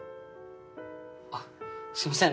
あっすいません